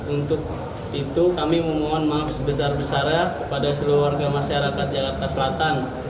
untuk itu kami memohon maaf sebesar besarnya kepada seluruh warga masyarakat jakarta selatan